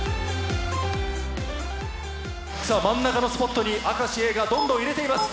さあ真ん中のスポットに明石Ａがどんどん入れています。